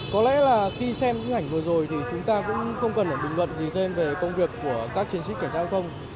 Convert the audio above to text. có lẽ là khi xem những ảnh vừa rồi thì chúng ta cũng không cần phải bình luận gì thêm về công việc của các chiến sĩ cảnh giao thông